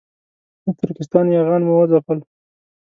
د ترکستان یاغیان مو وځپل.